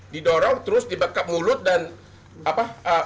didorong terus dibekap mulut dan apa